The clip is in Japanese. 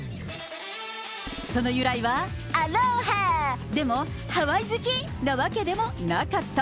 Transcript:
その由来は、アローハーでも、ハワイ好きなわけでもなかった。